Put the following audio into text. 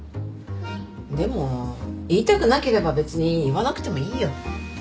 でも言いたくなければ別に言わなくてもいいよ。